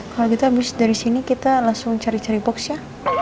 kalau gitu abis dari sini kita langsung cari cari box ya